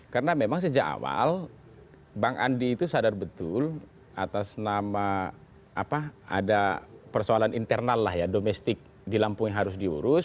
karena memang sejak awal bang andi itu sadar betul atas nama apa ada persoalan internal lah ya domestik di lampung yang harus diperlukan